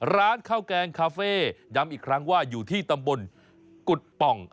ร้านข้าวแกงคาเฟ่ย้ำอีกครั้งว่าอยู่ที่ตำบลกุฎป่อง